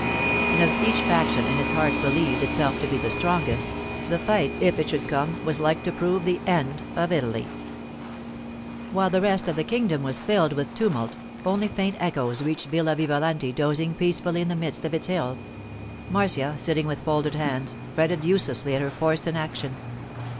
And as each faction in its heart believed itself to be the strongest, the fight, if it should come, was like to prove the end of Italy. While the rest of the kingdom was filled with tumult, only faint echoes reached Villa Vivalanti dozing peacefully in the midst of its hills. Marcia, sitting with folded hands, fretted uselessly at her forced inaction.